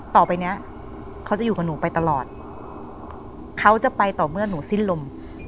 ต่อไปเนี้ยเขาจะอยู่กับหนูไปตลอดเขาจะไปต่อเมื่อหนูสิ้นลม